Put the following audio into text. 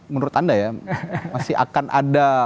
menurut anda ya masih akan ada